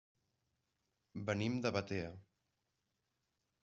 Venim de Batea.